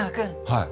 はい。